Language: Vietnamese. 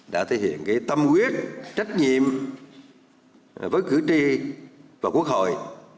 đã thể hiện tâm quyết trách nhiệm với cử tri và quốc hội